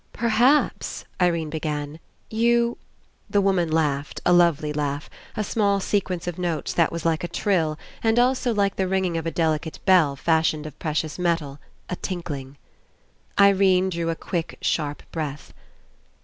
"Perhaps," Irene began, "you —" The woman laughed, a lovely laugh, a small sequence of notes that was like a trill and also like the ringing of a delicate bell fashioned of a precious metal, a tinkling. Irene drew a quick sharp breath.